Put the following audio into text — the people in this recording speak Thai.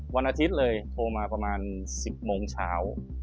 วันอาทิตย์เลยโทรมาประมาณ๑๐โมงเช้า